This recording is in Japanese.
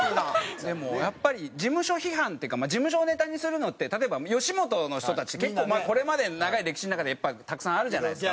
でも事務所批判っていうか事務所をネタにするのって例えば吉本の人たち結構これまでの長い歴史の中でたくさんあるじゃないですか。